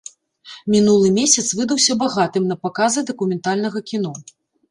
Мінулы месяц выдаўся багатым на паказы дакументальнага кіно.